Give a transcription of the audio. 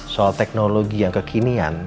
soal teknologi yang kekinian